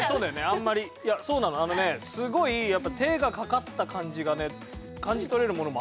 あんまりいやそうなのあのねすごいやっぱ手がかかった感じがね感じ取れるものもあんの。